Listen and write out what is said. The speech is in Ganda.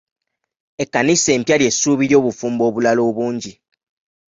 Ekkanisa empya ly'essuubi ly'obufumbo obulala obungi.